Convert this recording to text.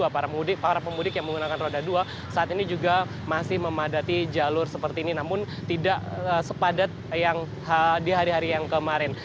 para pemudik yang menggunakan roda dua saat ini juga masih memadati jalur seperti ini namun tidak sepadat yang di hari hari yang kemarin